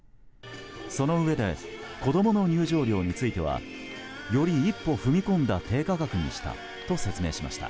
そのうえで子供の入場料についてはより一歩踏み込んだ低価格にしたと説明しました。